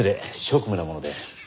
職務なもので。